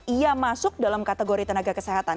ia masuk dalam kategori tenaga kesehatan